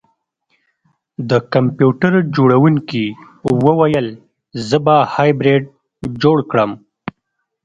د کمپیوټر جوړونکي وویل زه به هایبریډ جوړ کړم